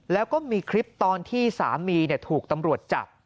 แล้วก็มีคลิปตอนที่สามีถูกตำรวจจับ